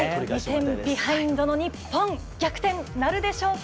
２点ビハインドの日本逆転なるでしょうか。